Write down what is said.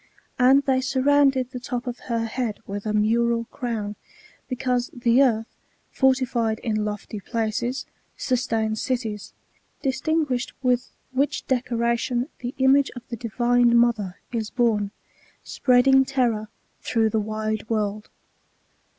And they surrounded the top of her head with a mural crown, because the earth, fortified in lofty places, sustains cities ; dis tinguished with which decoration the image of the divine mother is borne, spreading terror, through the wide world.